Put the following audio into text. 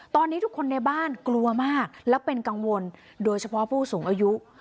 ตอนนี้ทุกคนในบ้านกลัวมากและเป็นกังวลโดยเฉพาะผู้สูงอายุ